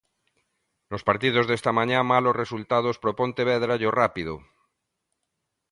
Nos partidos desta mañá malos resultados para o Pontevedra e o Rápido.